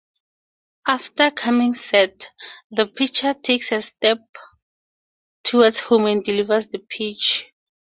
After coming set, the pitcher takes a step toward home and delivers the pitch.